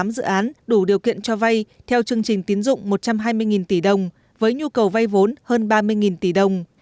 sáu mươi tám dự án đủ điều kiện cho vay theo chương trình tiến dụng